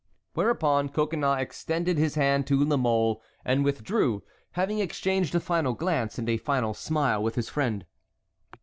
Whereupon Coconnas extended his hand to La Mole and withdrew, having exchanged a final glance and a final smile with his friend.